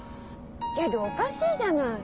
けどおかしいじゃない。